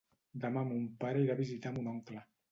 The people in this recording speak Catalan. Demà mon pare irà a visitar mon oncle.